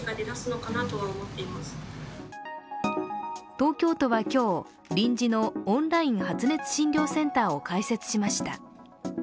東京都は今日、臨時のオンライン発熱診療センターを開設しました。